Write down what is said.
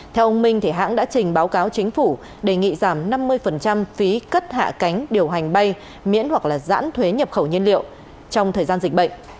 theo ông minh hãng đã trình báo cáo chính phủ đề nghị giảm năm mươi phí cất hạ cánh điều hành bay miễn hoặc giãn thuế nhập khẩu nhiên liệu trong thời gian dịch bệnh